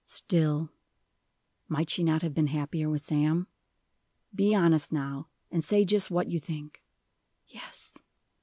"Still might she not have been happier with Sam? Be honest, now, and say just what you think." "Yes."